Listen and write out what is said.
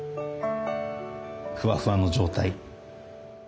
ふわふわの状態。